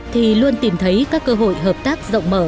thì luôn tìm thấy các cơ hội hợp tác rộng mở